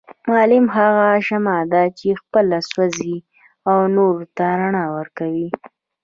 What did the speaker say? معلم هغه شمعه چي خپله سوزي او نورو ته رڼا ورکوي